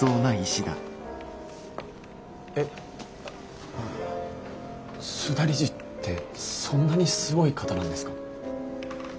え須田理事ってそんなにすごい方なんですか？